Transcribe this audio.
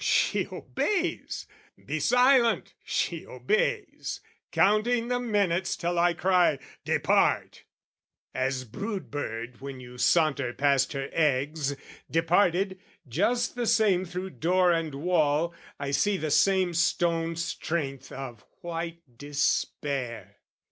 she obeys, "Be silent!" she obeys, Counting the minutes till I cry "Depart," As brood bird when you saunter past her eggs, Departed, just the same through door and wall I see the same stone strength of white despair.